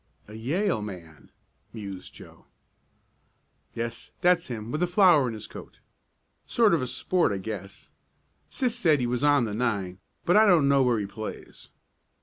"A Yale man," mused Joe. "Yes, that's him, with the flower in his coat. Sort of a sport I guess. Sis said he was on the nine, but I don't know where he plays.